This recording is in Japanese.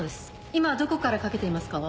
今どこからかけていますか？